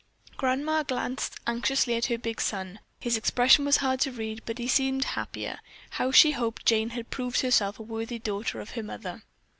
Grandma glanced anxiously at her big son. His expression was hard to read, but he seemed happier. How she hoped Jane had proved herself a worthy daughter of her mother.